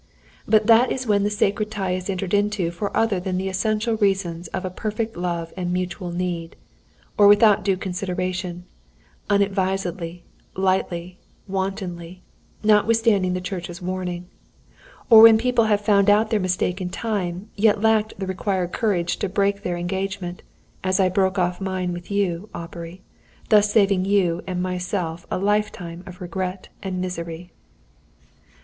But that is when the sacred tie is entered into for other than the essential reasons of a perfect love and mutual need; or without due consideration, 'unadvisedly, lightly, wantonly,' notwithstanding the Church's warning. Or when people have found out their mistake in time, yet lacked the required courage to break their engagement, as I broke off mine with you, Aubrey; thus saving you and myself a lifetime of regret and misery.